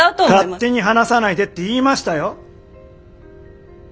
勝手に話さないでって言いましたよ！